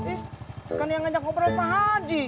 eh bukan dia yang ngajak ngobrol pak aji